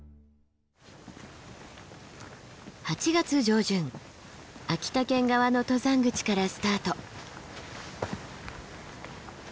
８月上旬秋田県側の登山口からスタート。